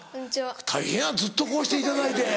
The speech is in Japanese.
大変ずっとこうしていただいて。